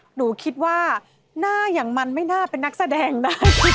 หนูคิดว่าหน้าอย่างมันไม่น่าเป็นนักแสดงได้